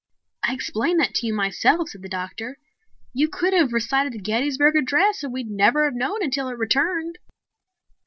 "I explained that to you myself," said the doctor. "You could have recited the Gettysburg Address and we'd never have known until it returned."